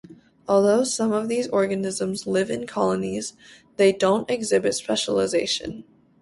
Although some of these organisms live in colonies, they don't exhibit specialization.